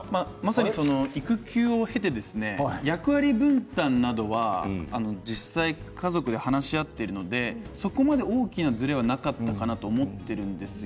育休期間を経て役割分担などは実際家族で話し合っているのでそこまで大きなずれがなかったかなと思ってるんですよ。